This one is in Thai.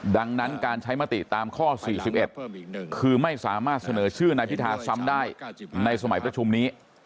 ดังนั้นการใช้มติตามข้อ๔๑คือไม่สามารถเสนอชื่อนายพิธาซ้ำได้ในสมัยประชุมนี้